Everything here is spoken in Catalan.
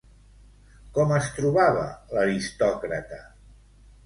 Com es trobava l'aristòcrata?